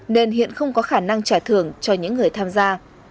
nên hiện không có khả năng trả thưởng cho những người tham gia